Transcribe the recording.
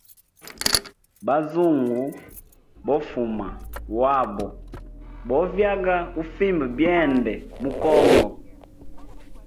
Bazungu bo fuma wabo bo vyaga ufimba byende mu congo.